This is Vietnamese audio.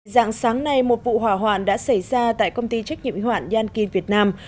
dạng sáng nay một vụ hỏa hoạn đã xảy ra tại công ty trách nhiệm y hoạn yankin việt nam